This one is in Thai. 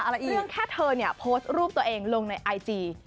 เรื่องแค่เธอเนี่ยโพสต์รูปตัวเองลงในไอจี